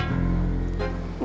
aku merasa terjebak